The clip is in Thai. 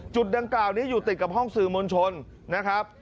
จุดดังกล่าวนี้อยู่ติดกับห้องสื่อมวลชนนะครับ